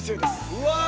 うわ！